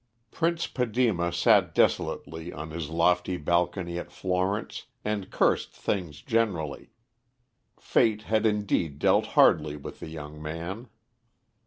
Prince Padema sat desolately on his lofty balcony at Florence, and cursed things generally. Fate had indeed dealt hardly with the young man.